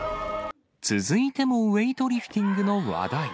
続いてもウエイトリフティングの話題。